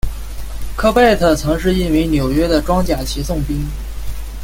科贝特曾是一名纽约的装甲骑送兵。